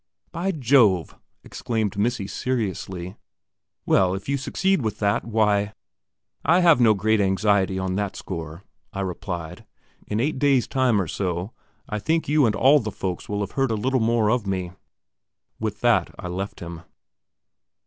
"By Jove!" exclaimed "Missy," seriously. "Well, if you succeed with that, why...." "I have no great anxiety on that score," I replied. "In eight days' time or so, I think you and all the folks will have heard a little more of me." With that I left him.